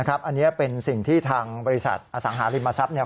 อันนี้เป็นสิ่งที่ทางบริษัทอสังหาริมทรัพย์